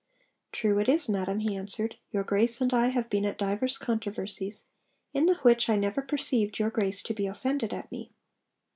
'True it is, madam,' he answered, 'your Grace and I have been at divers controversies, in the which I never perceived your Grace to be offended at me.'